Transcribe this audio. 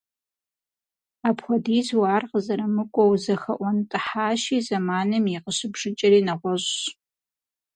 Апхуэдизу ар къызэрымыкIуэу зэхэIуэнтIыхьащи, зэманым и къыщыбжыкIэри нэгъуэщIщ.